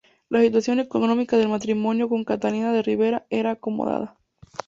La situación económica del matrimonio con Catalina de Ribera era acomodada.